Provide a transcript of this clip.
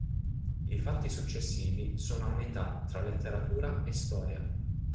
I fatti successivi sono a metà tra letteratura e storia.